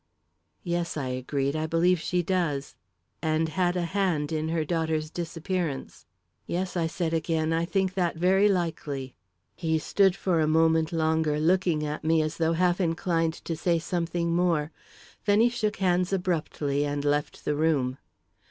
"Yes," I agreed, "I believe she does." "And had a hand in her daughter's disappearance." "Yes," I said again, "I think that very likely." He stood for a moment longer, looking at me as though half inclined to say something more; then he shook hands abruptly and left the room.